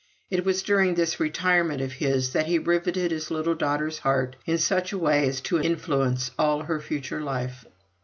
It was during this retirement of his that he riveted his little daughter's heart in such a way as to influence all her future life.